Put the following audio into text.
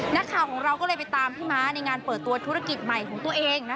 นักข่าวของเราก็เลยไปตามพี่ม้าในงานเปิดตัวธุรกิจใหม่ของตัวเองนะ